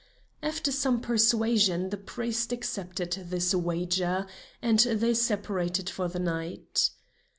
After some persuasion the priest accepted his wager, and they separated for the night.